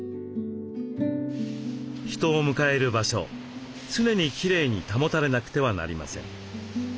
人を迎える場所常にきれいに保たれなくてはなりません。